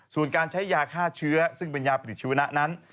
ส่วนการใช้ยาฆ่าเชื้อซึ่งเป็นยาปฏิชีวนะนั้น